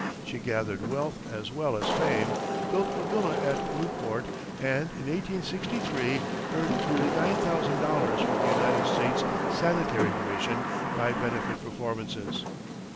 She gathered wealth as well as fame, built a villa at Newport, and in 1863 earned nearly nine thousand dollars for the United States Sanitary Commission by benefit performances.